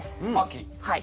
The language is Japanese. はい。